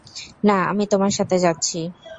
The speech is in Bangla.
না, আমি তোমার সাথে যাচ্ছি।